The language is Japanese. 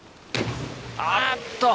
あっと！